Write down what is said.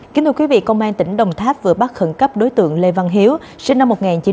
kính thưa quý vị công an tỉnh đồng tháp vừa bắt khẩn cấp đối tượng lê văn hiếu sinh năm một nghìn chín trăm tám mươi